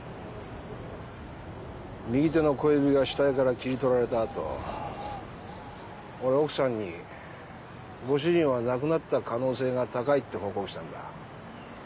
右手の小指が死体から切り取られた後俺奥さんにご主人は亡くなった可能性が高いって報告したんだ。